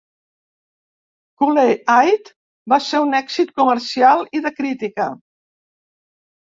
"Cooley High" va ser un èxit comercial i de crítica.